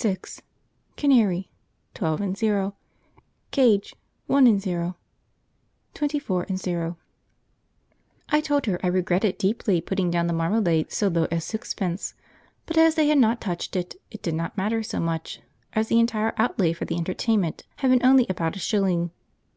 6 Canary .... 12 0 Cage .... 1 0 24 0 I told her I regretted deeply putting down the marmalade so low as sixpence; but as they had not touched it, it did not matter so much, as the entire outlay for the entertainment had been only about a shilling.